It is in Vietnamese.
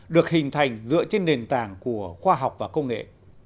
được hình thành dựa trên nền tảng của khoa học và công nghệ